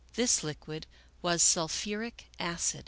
This liquid was sulphuric acid.